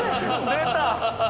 出た！